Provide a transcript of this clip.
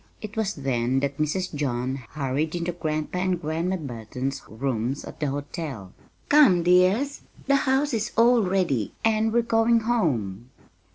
It was then that Mrs. John hurried into Grandpa and Grandma Burton's rooms at the hotel. "Come, dears," she said gayly. "The house is all ready, and we're going home."